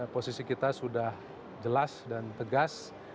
posisi kita sudah jelas dan tegas